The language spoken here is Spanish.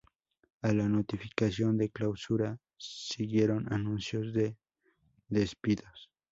A la notificación de clausura siguieron anuncios de despidos.